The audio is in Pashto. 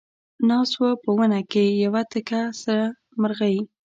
ناسته وه په ونه کې یوه تکه سره مرغۍ